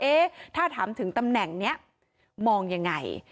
เอ๊ะถ้าถามถึงตำแหน่งนี้มองยังไง